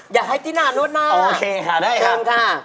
อย่าให้ตีน่านวดหน้าละโอเคค่ะได้ข้อมูลค่ะอ่อได้ครับ